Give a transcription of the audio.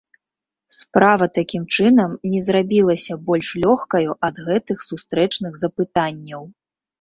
Справа такім чынам не зрабілася больш лёгкаю ад гэтых сустрэчных запытанняў.